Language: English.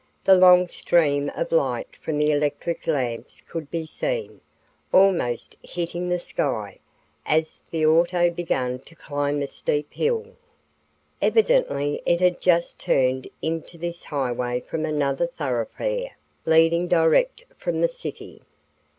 The long stream of light from the electric lamps could be seen, almost hitting the sky, as the auto began to climb a steep hill. Evidently it had just turned into this highway from another thoroughfare leading direct from the city.